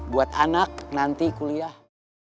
buat anak nanti kuliah